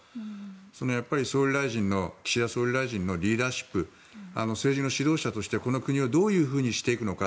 やっぱり岸田総理大臣のリーダーシップ政治の主導者としてこの国をどういうふうにしていくのか。